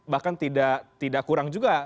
bahkan tidak kurang juga